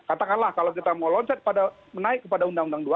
katakanlah kalau kita mau loncat pada menaik kepada undang undang dua puluh enam